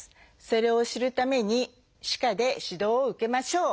それを知るために歯科で指導を受けましょう。